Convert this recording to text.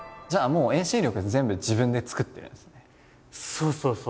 そうそうそう。